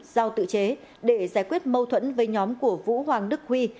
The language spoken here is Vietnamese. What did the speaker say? giao tự chế để giải quyết mâu thuẫn với nhóm của vũ hoàng đức huy